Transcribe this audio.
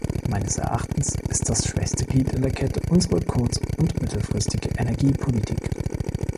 Meines Erachtens ist das schwächste Glied in der Kette unsere kurz- und mittelfristige Energiepolitik.